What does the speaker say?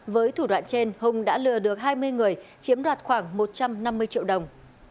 với thủ đoạn trên hùng đã lừa được hai mươi người chiếm đoạt khoảng một trăm năm mươi triệu đồng